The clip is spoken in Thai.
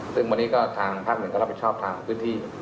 ซึ่งวันนี้ทางภาพ๑รับผิดชอบทางพื้นที่